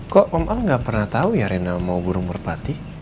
kok om al nggak pernah tahu ya rena mau burung merpati